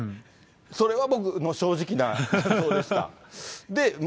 それは僕、もう正直な感想でした。